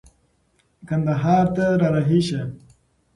کندهار ته را رهي شه.